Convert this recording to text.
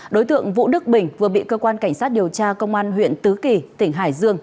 đối tượng vũ đức bình vừa bị cơ quan cảnh sát điều tra công an huyện tứ kỳ tỉnh hải dương